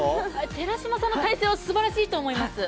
寺島さんの体勢すばらしいと思います！